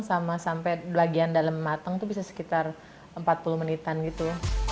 sama sampai bagian dalam mateng itu bisa sekitar empat puluh menitan gitu